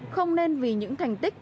không nên vì những thành tích